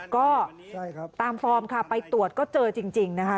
ก็ตามฟอร์มค่ะไปตรวจก็เจอจริงนะคะ